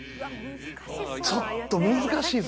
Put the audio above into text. ちょっと難しいぞ。